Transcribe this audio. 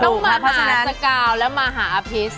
ต้องมาสกาวและมาหาอาฟิศ